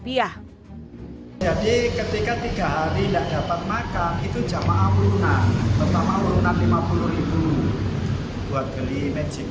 jadi ketika tiga hari tidak dapat makan itu jamaah berlunar